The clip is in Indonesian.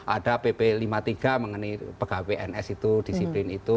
ada pp lima puluh tiga mengenai pegawai ns itu disiplin itu